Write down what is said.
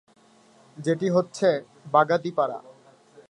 যেটি হচ্ছেঃ বাগাতিপাড়া।